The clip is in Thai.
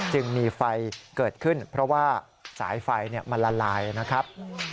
จึงมีไฟเกิดขึ้นเพราะว่าสายไฟมันละลายนะครับ